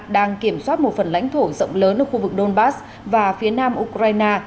đang kiểm soát một phần lãnh thổ rộng lớn ở khu vực donbass và phía nam ukraine